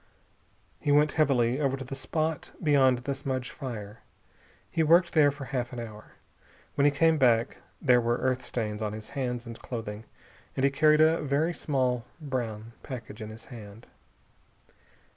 He went heavily over to the spot beyond the smudge fire. He worked there for half an hour. When he came back there were earth stains on his hands and clothing, and he carried a very small brown package in his hand.